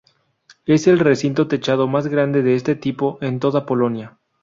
Es el recinto techado más grande de este tipo en toda Polonia.